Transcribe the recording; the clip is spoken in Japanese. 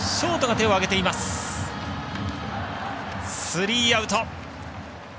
スリーアウト。